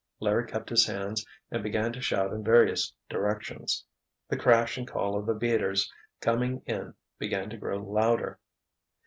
Larry cupped his hands and began to shout in various directions. The crash and call of the beaters coming in began to grow louder.